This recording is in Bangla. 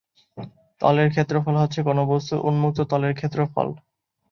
তলের ক্ষেত্রফল হচ্ছে কোন বস্তুর উম্মুক্ত তলের ক্ষেত্রফল।